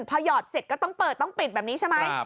พอหยอดเสร็จก็ต้องเปิดต้องปิดแบบนี้ใช่ไหม